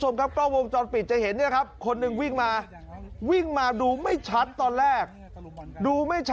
แล้วก็ซองมีด